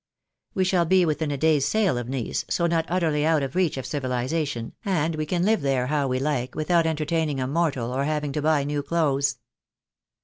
We shall be within a day's sail of Nice, so not utterly out of reach of civilisation, and we can live there how we like, without entertaining a mortal, or having to buy new clothes.